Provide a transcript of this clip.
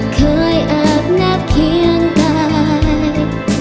เคยอาบนักเคียงกาย